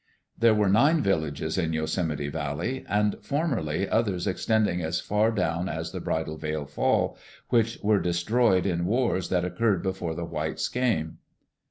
"There were nine villages in Yosemite Valley and... formerly others extending as far down as the Bridal Veil Fall, which were destroyed in wars that occurred before the whites came."